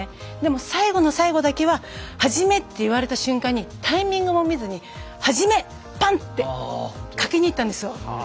でも、最後の最後だけは始めって言われた瞬間にタイミングも見ずに始め、パンってかけに行ったんですよ。